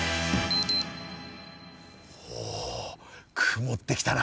お曇ってきたな。